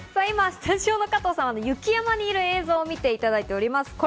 今、スタジオの加藤さん、雪山にいる映像を見ていただいております。